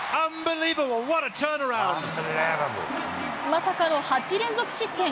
まさかの８連続失点。